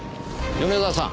米沢さん。